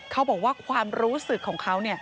เขาบอกว่าความรู้สึกของเขา